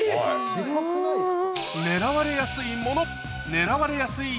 デカくないですか？